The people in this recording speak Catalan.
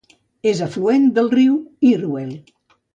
És afluent del riu Irwell.